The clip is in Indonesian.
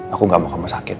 aku gak mau kamu sakit